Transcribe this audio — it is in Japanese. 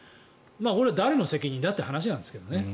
これ、誰の責任だという話なんですけどね。